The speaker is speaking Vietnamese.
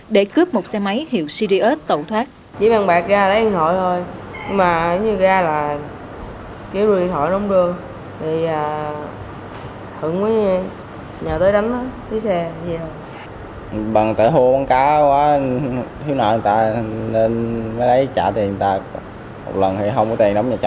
để cướp một xe máy hiệu cds tẩu thoát